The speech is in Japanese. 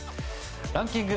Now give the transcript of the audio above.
ランキング